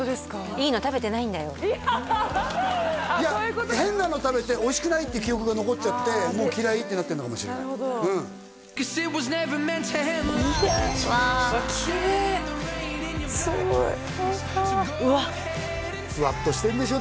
いいの食べてないんだよいや変なの食べておいしくないって記憶が残っちゃってもう嫌いってなってるのかもしれないなるほどうんうわきれいすごいおいしそうふわっとしてるんでしょ？